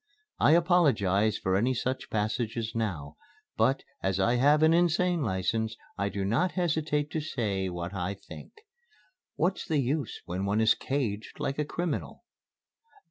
I apologize for any such passages now, but, as I have an Insane License, I do not hesitate to say what I think. What's the use when one is caged like a criminal?